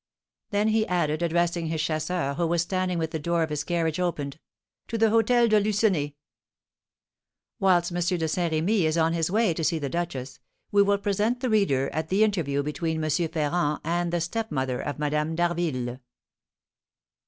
Then he added, addressing his chasseur, who was standing with the door of his carriage opened, "To the Hôtel de Lucenay." Whilst M. de Saint Remy is on his way to see the duchess, we will present the reader at the interview between M. Ferrand and the stepmother of Madame d'Harville.